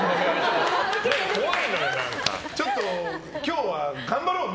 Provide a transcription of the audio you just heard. ちょっと今日は頑張ろうね